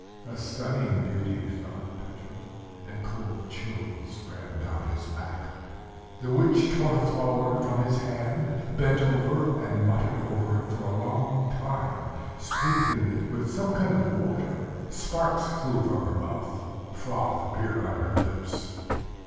"A stunning beauty!" thought Petro; and cold chills ran down his back. The witch tore the flower from his hand, bent over, and muttered over it for a long time, sprinkling it with some kind of water. Sparks flew from her mouth, froth appeared on her lips.